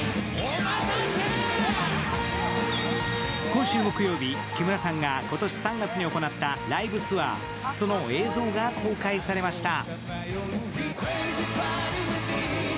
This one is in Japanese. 今週木曜日、木村さんが今年３月に行ったライブツアー、その映像が公開されました。